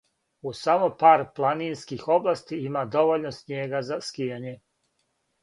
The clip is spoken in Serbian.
У само пар планинских области има довољно снијега за скијање.